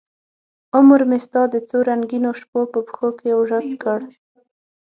عمرمې ستا د څورنګینوشپو په پښوکې ورک کړ